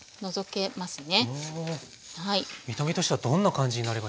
見た目としてはどんな感じになればいいんですか？